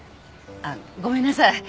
あっごめんなさい。